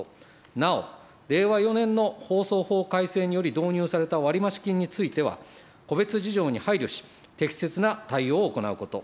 なお、令和４年の放送法改正により導入された割増金については、個別事情に配慮し、適切な対応を行うこと。